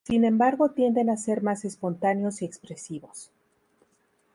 Sin embargo tienden a ser más espontáneos y expresivos.